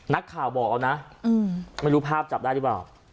นักข่าวบอกเอานะไม่รู้ภาพจับได้หรือเปล่า